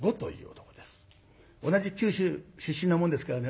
同じ九州出身なもんですからね